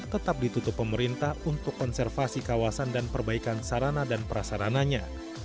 tetap ditutup pemerintah untuk konservasi kawasan dan perbaikan sarana dan prasarananya